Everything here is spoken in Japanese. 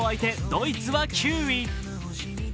ドイツは９位。